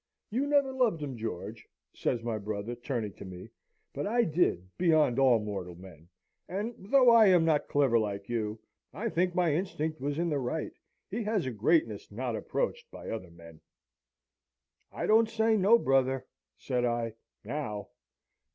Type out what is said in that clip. You never loved him, George," says my brother, turning to me, "but I did beyond all mortal men; and, though I am not clever like you, I think my instinct was in the right. He has a greatness not approached by other men" "I don't say no, brother," said I, "now."